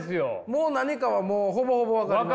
もう何かはほぼほぼ分かります。